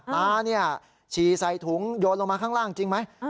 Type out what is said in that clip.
ตาเนี่ยฉี่ใส่ถุงโยนลงมาข้างล่างจริงไหม